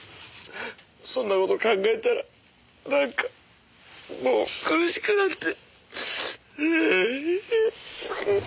そんな事考えたらなんかもう悲しくなって。